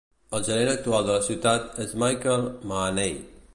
El gerent actual de la ciutat és Michael Mahaney.